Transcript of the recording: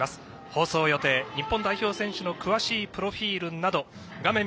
放送予定、日本代表選手の詳しいプロフィールなど画面